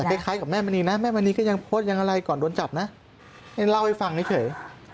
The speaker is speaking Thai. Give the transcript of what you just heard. คล้ายกับแม่มณีนะแม่มณีก็ยังโพสต์ยังอะไรก่อนโดนจับนะให้เล่าให้ฟังเฉย